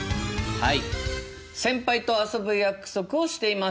はい。